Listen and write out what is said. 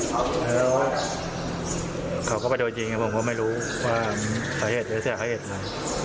แล้วเขาก็ไปโดนยิงผมก็ไม่รู้ว่าสาเหตุหรือเสียสาเหตุอะไร